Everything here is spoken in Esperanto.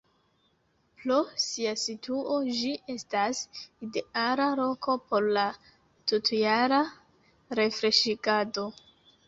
Pro sia situo ĝi estas ideala loko por la tutjara refreŝigado.